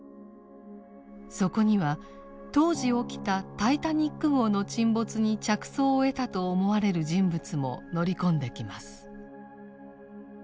そこには当時起きたタイタニック号の沈没に着想を得たと思われる人物も乗り込んできます。